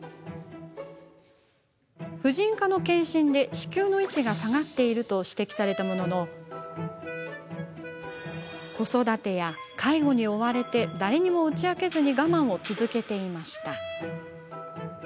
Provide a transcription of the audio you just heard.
婦人科の検診で子宮の位置が下がっていると指摘されたものの子育てや介護に追われ誰にも打ち明けずに我慢を続けていました。